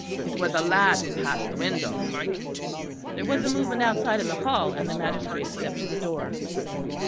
"It was a lad who passed the window." There was a movement outside in the hall; and the magistrate stepped to the door.